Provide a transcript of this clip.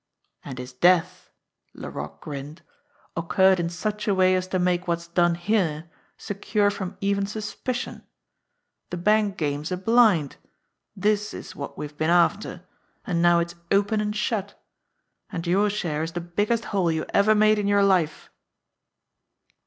And his death" Laroque grinned "oc curred in such a way as to make what's done here secure from even suspicion. The bank game's a blind. This is what we've been after, and now it's open and shut. And your share is the biggest haul you ever made in your life."